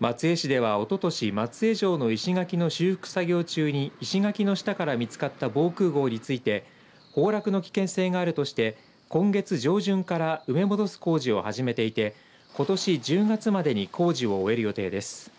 松江市では、おととし松江城の石垣の修復作業中に石垣の下から見つかった防空ごうについて崩落の危険性があるとして今月上旬から埋め戻す工事を始めていてことし１０月までに工事を終える予定です。